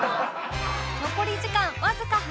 残り時間わずか８分